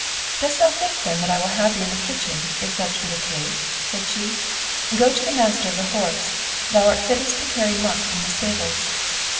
"Dost thou think then that I will have thee in the kitchen, if such be the case?" said she; "go to the master of the horse: thou art fittest to carry muck from the stables."